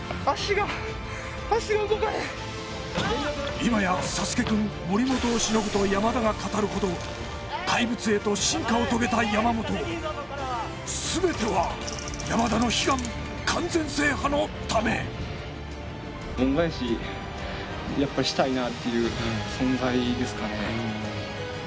今やサスケくん森本をしのぐと山田が語るほど怪物へと進化を遂げた山本全ては山田の悲願完全制覇のため恩返しやっぱしたいなっていう存在ですかね